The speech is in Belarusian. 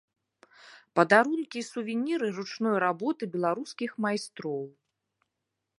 Падарункі і сувеніры ручной работы беларускіх майстроў.